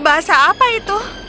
bahasa apa itu